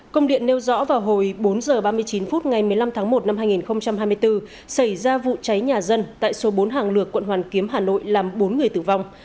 công điện nêu rõ vào hồi bốn h ba mươi chín phút ngày một mươi năm tháng một năm hai nghìn hai mươi bốn xảy ra vụ cháy nhà dân tại số bốn hàng lược quận hoàn kiếm hà nội làm bốn người tử vong